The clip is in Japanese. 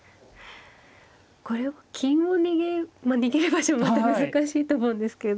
これも金を逃げまあ逃げる場所もまた難しいと思うんですけれども。